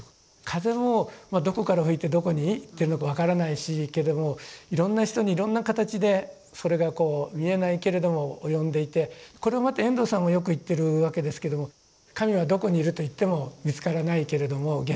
風もまあどこから吹いてどこに行っているのか分からないしけれどもいろんな人にいろんな形でそれが見えないけれども及んでいてこれはまた遠藤さんもよく言ってるわけですけども神はどこにいるといっても見つからないけれども現代人にとっては。